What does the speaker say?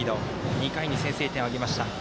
２回に先制点を挙げました。